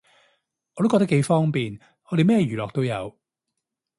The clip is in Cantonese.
我覺得都幾方便，我哋咩娛樂都有